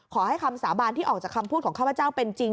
ขอให้คำสาบานที่ออกจากคำพูดของข้าพเจ้าเป็นจริง